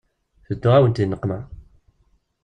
Tedduɣ-awent di nneqma.